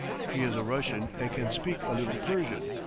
He is a Russian and can speak a little Persian.